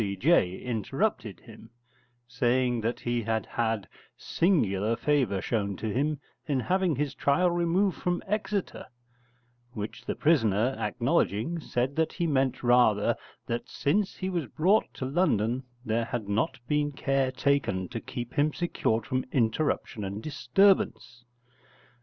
C.J. interrupted him, saying that he had had singular favour shown to him in having his trial removed from Exeter, which the prisoner acknowledging, said that he meant rather that since he was brought to London there had not been care taken to keep him secured from interruption and disturbance.